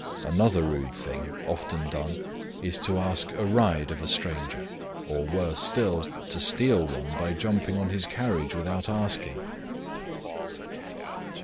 Another rude thing often done is to ask a ride of a stranger, or, worse still, to steal one by jumping on his carriage without asking.